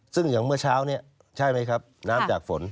ซึ่งอย่างเมื่อเช้านี้ใช่ไหมครับน้ำจากฝน